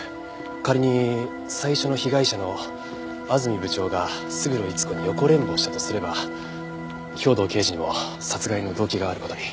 仮に最初の被害者の安住部長が勝呂伊津子に横恋慕したとすれば兵藤刑事にも殺害の動機がある事に。